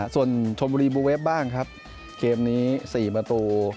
ส่วนชมบุรีบูเวฟบ้างครับเกมนี้๔ประตู